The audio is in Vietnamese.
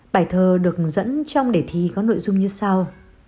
bài thơ được dẫn trong đề thi có nội dung như sau